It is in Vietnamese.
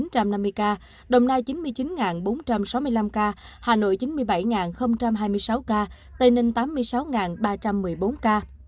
tp hcm năm trăm một mươi một chín trăm năm mươi ca đồng nai chín mươi chín bốn trăm sáu mươi năm ca hà nội chín mươi bảy hai mươi sáu ca tây ninh tám mươi sáu ba trăm một mươi bốn ca